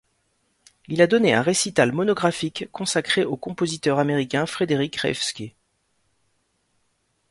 Il a donné un récital monographique consacré au compositeur américain Frederic Rzewski.